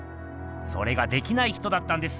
それができない人だったんです。